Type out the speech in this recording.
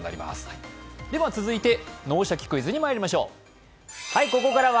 では、続いて「脳シャキ！クイズ」にまいりましょう。